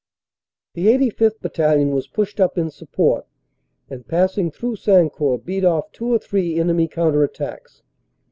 The 85th. Battalion was pushed up in support, and passing through Sancourt beat off two or three enemy counter attacks.